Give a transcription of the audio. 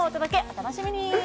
お楽しみに。